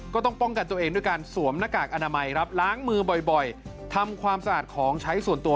ก็ต้องป้องกันตัวเองด้วยการสวมหน้ากากอนามัยครับล้างมือบ่อยทำความสะอาดของใช้ส่วนตัว